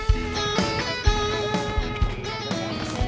iya pak mul